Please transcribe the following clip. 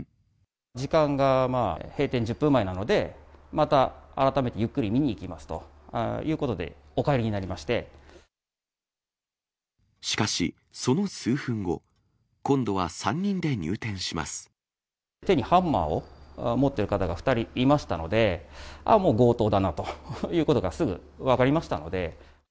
時間が閉店１０分前なので、また改めてゆっくり見にいきますということで、お帰りになりまししかし、その数分後、今度は手にハンマーを持っている方が２人いましたので、ああ、もう、強盗だなということがすぐ分かりましたので。